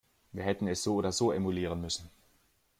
Wir hätten es so oder so emulieren müssen.